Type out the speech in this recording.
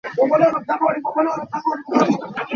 Chel in vom an thah khawh ve ko.